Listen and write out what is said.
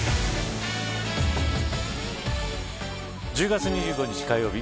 １０月２５日火曜日